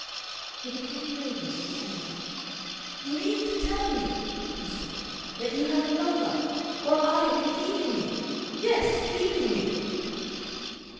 He became radiant with anger. "You mean to tell me" he said, "that you have a lover? While I have been keeping you! Yes keeping you!"